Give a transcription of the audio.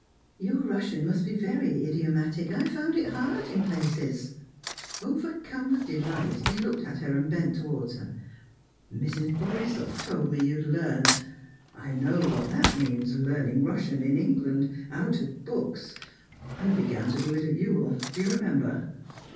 "Your Russian must be very idiomatic. I found it hard in places." Overcome with delight, he looked at her and bent towards her. "Mrs. Borisoff told me you had learnt. I know what that means learning Russian in England, out of books. I began to do it at Ewell do you remember?"